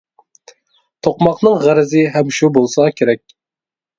توقماقنىڭ غەرىزى ھەم شۇ بولسا كېرەك؟ !